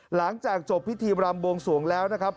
หลังจากจบพิธีรำบวงสวงแล้วนะครับ